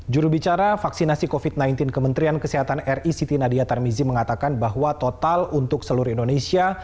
jurubicara vaksinasi covid sembilan belas kementerian kesehatan ri siti nadia tarmizi mengatakan bahwa total untuk seluruh indonesia